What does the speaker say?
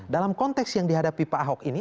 dalam konteks yang dihadapi pak ahok ini